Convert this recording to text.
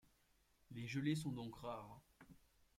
Les gelées sont donc rares.